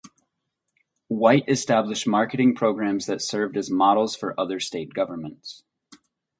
White established marketing programs that served as models for other state governments.